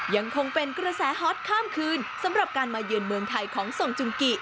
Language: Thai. ยังคงเป็นกระแสฮอตข้ามคืนสำหรับการมาเยือนเมืองไทยของทรงจุงกิ